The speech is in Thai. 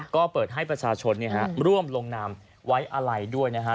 ก็เปิดให้ประชาชนเนี่ยครับร่วมลงนำไว้อะไรด้วยนะฮะ